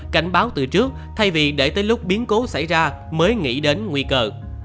cảnh báo từ trước thay vì để tới lúc biến cố xảy ra mới nghĩ đến nguy cơ